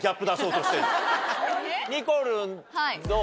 にこるんどう？